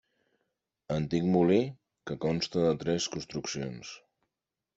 Antic molí que consta de tres construccions.